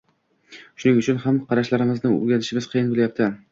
Shuning uchun ham qarashlarimizni o‘zgartirishimiz qiyin bo‘lyapti.